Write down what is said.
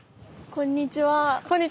こんにちは。